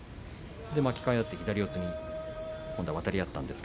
巻き替え合って左四つに渡り合ったんですが。